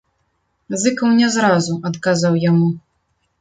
Зыкаў не зразу адказаў яму.